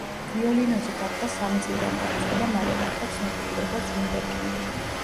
ვიოლინოზე დაკვრა სამი წლიდან დაიწყო და მალე გახდა ცნობილი, როგორც ვუნდერკინდი.